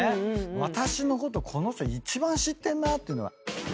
私のことこの人一番知ってんなっていうのは。